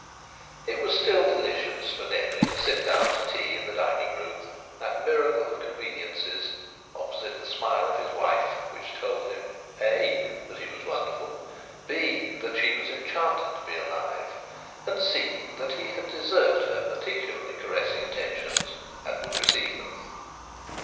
It was still delicious for Denry to sit down to tea in the dining room, that miracle of conveniences, opposite the smile of his wife, which told him (a) that he was wonderful, (b) that she was enchanted to be alive, and (c) that he had deserved her particular caressing attentions and would receive them.